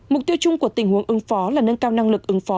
mục tiêu chung của tình huống ứng phó là nâng cao năng lực ứng phó